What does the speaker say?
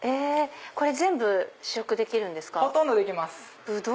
これ全部試食できますか？